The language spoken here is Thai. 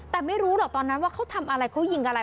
แต่ไม่รู้หรอกตอนนั้นว่าเขาทำอะไรเขายิงอะไร